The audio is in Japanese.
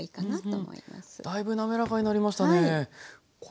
だいぶ滑らかになりましたね。